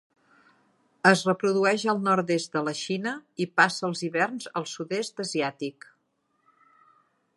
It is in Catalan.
Es reprodueix al nord-est de la Xina i passa els hiverns al Sud-est Asiàtic.